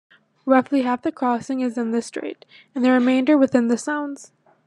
Roughly half the crossing is in the strait, and the remainder within the Sounds.